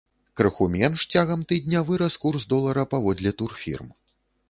Крыху менш цягам тыдня вырас курс долара паводле турфірм.